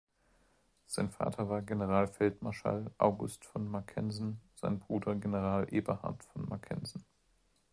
Sein Vater war Generalfeldmarschall August von Mackensen, sein Bruder General Eberhard von Mackensen.